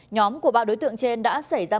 nhóm của ba đối tượng trên đã xảy ra mâu thuẫn